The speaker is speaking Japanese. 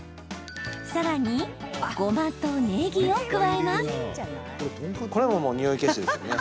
さらに、ごまとねぎを加えます。